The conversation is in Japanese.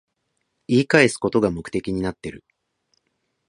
言い返すことが目的になってる